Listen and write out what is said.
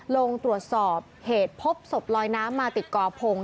ลงตรวจสอบเหตุพบศพลอยน้ำมาติดกอพง